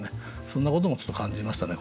そんなこともちょっと感じましたね